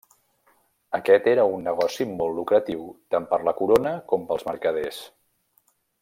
Aquest era un negoci molt lucratiu tant per la Corona com pels mercaders.